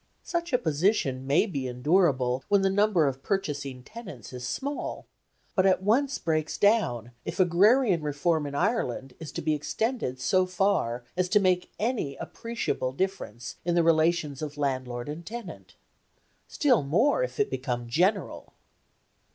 Such a position may be endurable when the number of purchasing tenants is small, but at once breaks down if agrarian reform in Ireland is to be extended so far as to make any appreciable difference in the relations of landlord and tenant; still more, if it become general.